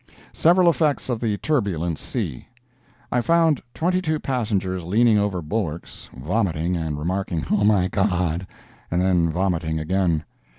SEVERAL EFFECTS OF THE TURBULENT SEA I found twenty two passengers leaning over the bulwarks vomiting and remarking, "Oh, my God!" and then vomiting again.